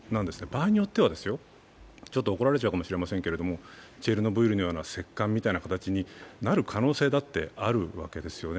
場合によっては、ちょっと怒られちゃうかもしれませんけど、チェルノブイルみたいな石棺みたいな形になる可能性だってあるわけですよね。